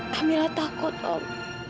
kamila takut om